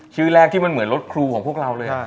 ชื่อแรกที่มันเหมือนรถครูของพวกเราเลย